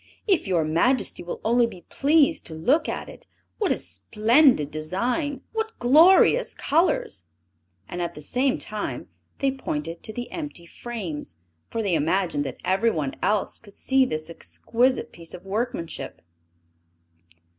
"If your Majesty will only be pleased to look at it! What a splendid design! What glorious colors!" and at the same time they pointed to the empty frames; for they imagined that everyone else could see this exquisite piece of workmanship.